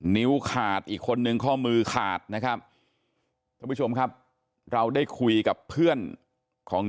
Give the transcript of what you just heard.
นิ้วขาดอีกคนนึงข้อมือขาดนะครับท่านผู้ชมครับเราได้คุยกับเพื่อนของ